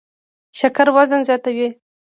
شکر وزن زیاتوي